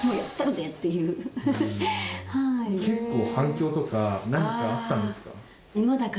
結構反響とか何かあったんですか？